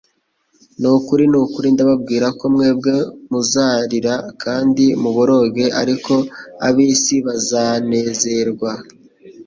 Ni ukuri ni ukuri ndababwira ko mwebwe muzarira kandi muboroge; ariko ab'isi bazanezerwa.